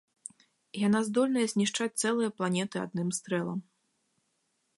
Яна здольная знішчаць цэлыя планеты адным стрэлам.